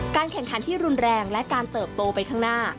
แข่งขันที่รุนแรงและการเติบโตไปข้างหน้า